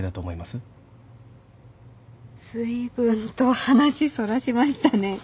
ずいぶんと話そらしましたね。